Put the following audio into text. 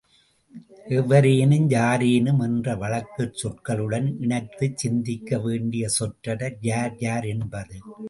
எவரேனும், யாரேனும் என்ற வழக்குச் சொற்களுடன் இணைத்துச் சிந்திக்க வேண்டிய சொற்றொடர் யார் யார் என்பது.